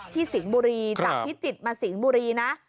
ที่สิงบุรีจากพิจิตย์มาสิงบุรีนะ